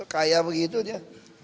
kaya begitu dia